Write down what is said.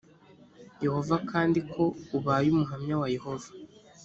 yehova kandi ko ubaye umuhamya wa yehova